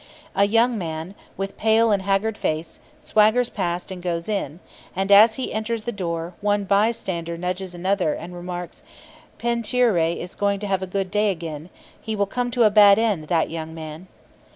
A young man, with pale and haggard face, swaggers past and goes in, and, as he enters the door, one bystander nudges another and remarks: "Pentuere is going to have a good day again; he will come to a bad end, that young man."